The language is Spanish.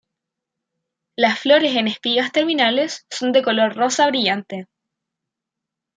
Las flores en espigas terminales, son de color rosa brillante.